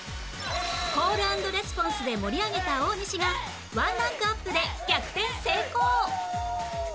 コールアンドレスポンスで盛り上げた大西が１ランクアップで逆転成功